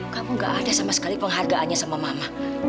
kamu gak ada sama sekali penghargaannya sama mama